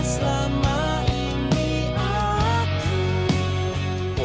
samuel ga pake karin